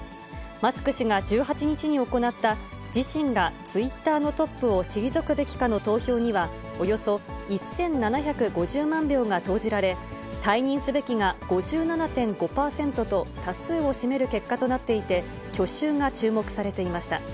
マスク氏が１８日に行った、自身がツイッターのトップを退くべきかの投票には、およそ１７５０万票が投じられ、退任すべきが５７．５％と多数を占める結果となっていて、去就が注目されていました。